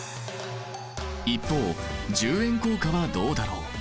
一方１０円硬貨はどうだろう？